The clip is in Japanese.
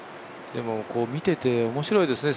見てて面白いですね